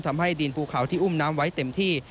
ทำให้ดินภูเขาที่อุ้มน้ำไว้เต็มที่